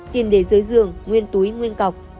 tiền để dưới giường nguyên túi nguyên cọc